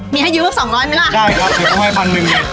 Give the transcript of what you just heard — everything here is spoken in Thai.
มีให้ยืนเมื่อ๒๐๐มึงล่ะได้ครับเดี๋ยวเข้าให้๑๐๐๐บาท